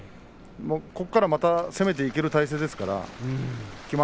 そこから、また攻めていける体勢でした。